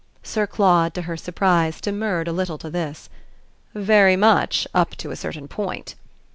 Sir Claude, to her surprise, demurred a little to this. "Very much up to a certain point."